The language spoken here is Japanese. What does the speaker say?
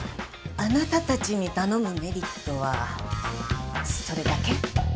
あなたたちに頼むメリットはそれだけ？